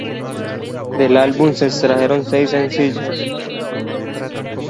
Del álbum se extrajeron seis sencillos.